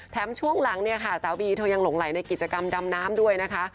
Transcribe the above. แถมช่วงหลังสาวบีเธอยังหลงไหลในกิจกรรมดำน้ำด้วยนะคะ